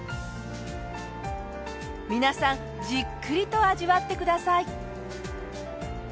皆さんじっくりと味わってください。